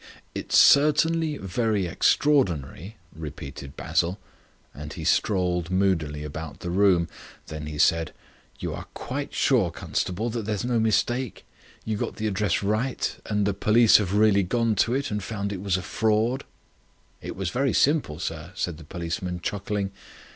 "It's certainly very extraordinary," repeated Basil. And he strolled moodily about the room. Then he said: "You are quite sure, constable, that there's no mistake? You got the address right, and the police have really gone to it and found it was a fraud?" "It was very simple, sir," said the policeman, chuckling.